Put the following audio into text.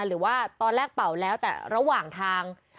หรือว่าตอนแรกเป่าแล้วแต่ระหว่างทาง